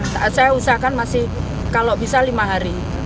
saya usahakan masih kalau bisa lima hari